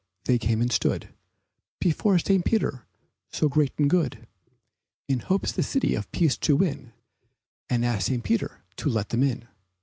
They came and stood Before St. Peter, so great and good. In hopes the City of Peace to win And asked St. Peter to let them in.